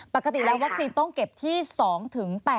ปกติแล้ววัคซีนต้องเก็บที่๒๘๐